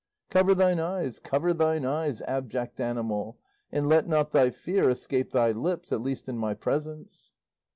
Cover thine eyes, cover thine eyes, abject animal, and let not thy fear escape thy lips, at least in my presence."